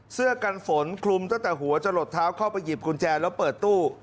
เสื้อกันฝนคลุมตั้งแต่หัวจะหลดเท้าเข้าไปหยิบกุญแจแล้วเปิดตู้